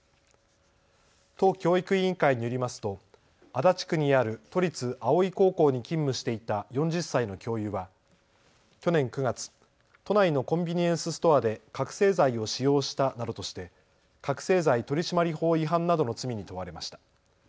都教育委員会によりますと足立区にある都立青井高校に勤務していた４０歳の教諭は去年９月、都内のコンビニエンスストアで覚醒剤を使用したなどとして覚醒剤取締法違反などの罪に問われました。